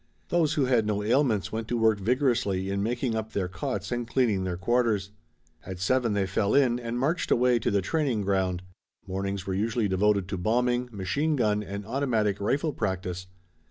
Those who had no ailments went to work vigorously in making up their cots and cleaning their quarters. At seven they fell in and marched away to the training ground. Mornings were usually devoted to bombing, machine gun and automatic rifle practice.